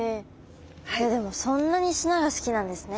いやでもそんなに砂が好きなんですね